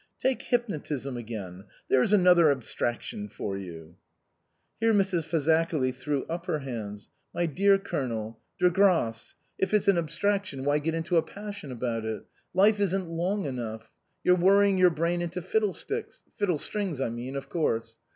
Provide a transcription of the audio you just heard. "Take hypnotism again there's another ab straction for you " Here Mrs. Fazakerly threw up her hands. " My dear Colonel, de grdce I If it's an abstrac 20 INLAND tion, why get into a passion about it ? Life isn't long enough. You're worrying your brain into fiddlesticks fiddlestrings I mean, of course.